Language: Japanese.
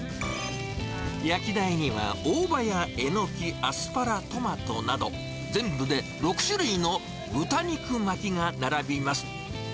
焼き台には、大葉やエノキ、アスパラ、トマトなど、全部で６種類の豚肉巻きが並びます。